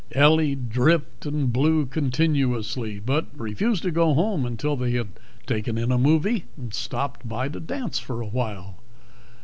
Ellie dripped and blew continuously, but refused to go home until they had taken in a movie, and stopped by to dance a while.